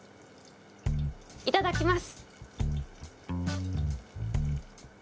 いただきます。